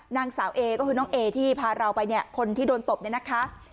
นางสาวเอก็คือน้องเอที่พาเราไปเนี่ยคนที่โดนตบเนี่ยนะคะ